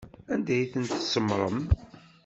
Anda ay ten-tsemmṛem?